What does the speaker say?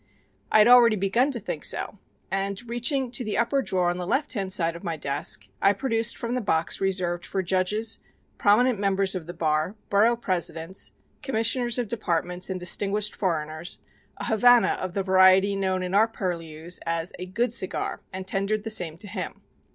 I had already begun to think so, and reaching to the upper drawer on the left hand side of my desk, I produced from the box reserved for judges, prominent members of the bar, borough presidents, commissioners of departments and distinguished foreigners, a Havana of the variety known in our purlieus as a "good cigar," and tendered the same to him.